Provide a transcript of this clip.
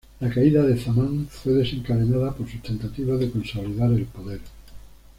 La caída de Zaman fue desencadenada por sus tentativas de consolidar el poder.